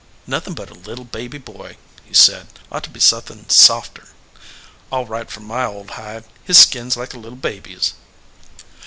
"Nothin but a little baby boy," he said. "Ought to be suthin softer. All right for my old hide ; his skin s like a little baby s."